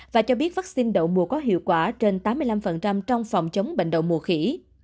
và cho biết vaccine đậu mùa có hiệu quả trên tám mươi năm trong phòng chống bệnh đậu mùa khỉ